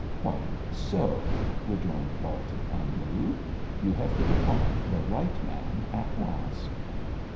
'Quite so,' rejoined Baltic, unmoved. 'You have hit upon the right man at last.'